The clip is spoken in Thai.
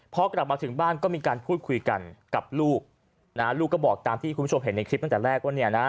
พอกลับมาถึงบ้านก็มีการพูดคุยกันกับลูกนะลูกก็บอกตามที่คุณผู้ชมเห็นในคลิปตั้งแต่แรกว่าเนี่ยนะ